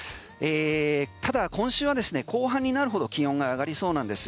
ただ、今週は後半になるほど気温が上がりそうなんです。